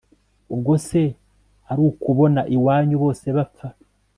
ubwo se arukubona iwanyu bose bapfa